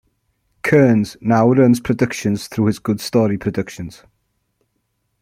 Kearns now runs productions through his Good Story Productions.